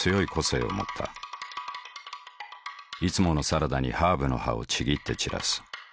いつものサラダにハーブの葉をちぎって散らす。